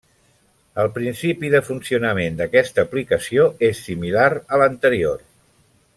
El principi de funcionament d'aquesta aplicació és similar a l'anterior.